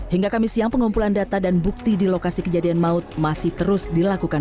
hingga kamis siang pengumpulan data dan bukti di lokasi kejadian maut masih terus dilakukan